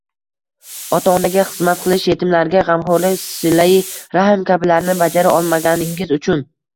ota-onaga xizmat qilish, yetimlarga g‘amxo‘rlik, silai rahm kabilarni bajara olmaganingiz uchun